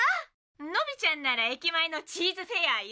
のびちゃんなら駅前のチーズフェアよ。